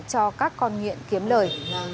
cho các con nghiện kiếm lời